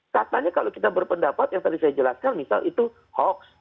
katanya kalau kita berpendapat yang tadi saya jelaskan misal itu hoax